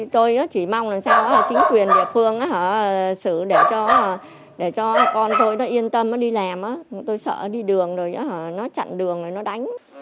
tôi chỉ mong là sao chính quyền địa phương xử để cho con tôi yên tâm đi làm tôi sợ đi đường rồi nó chặn đường rồi nó đánh